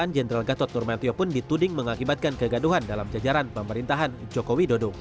jenderal gatot nurmantio pun dituding mengakibatkan kegaduhan dalam jajaran pemerintahan joko widodo